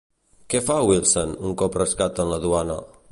Què fa Wilson un cop rescaten la Duane?